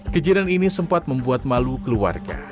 kejadian ini sempat membuat malu keluarga